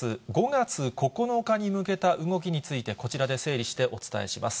５月９日に向けた動きについて、こちらで整理してお伝えします。